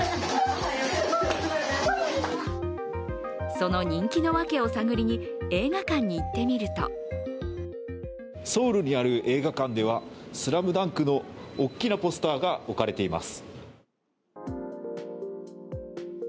その人気のわけを探りに映画館に行ってみるとソウルにある映画館では、「ＳＬＡＭＤＵＮＫ」の大きなポスターが置かれています。